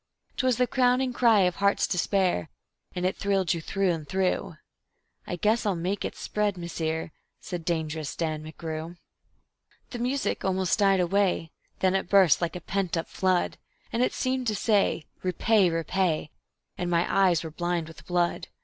'Twas the crowning cry of a heart's despair, and it thrilled you through and through "I guess I'll make it a spread misere," said Dangerous Dan McGrew. The music almost died away... then it burst like a pent up flood; And it seemed to say, "Repay, repay," and my eyes were blind with blood.